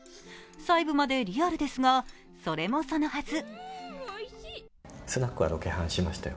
細部までリアルですがそれもそのはず。